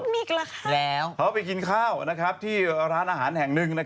พวกเขาก็ไปกินข้าวที่ร้านอาหารแห่งหนึ่ง